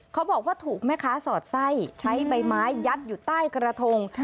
เขาบอกว่าถูกแม่ค้าสอดไส้ใช้ใบไม้ยัดอยู่ใต้กระทง